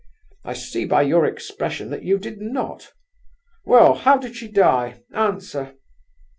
I see by your expression that you did not! Well, how did she die? Answer!"